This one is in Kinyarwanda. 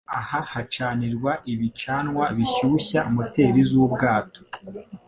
Aha hacanirwa ibicanwa bishyushya moteri z'ubwato